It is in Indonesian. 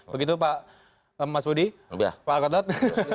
begitu pak mas budi pak alkotot